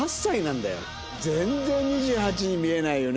全然２８に見えないよね。